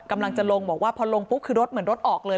กำลังจะลงบอกว่าพอลงปุ๊บคือรถเหมือนรถออกเลย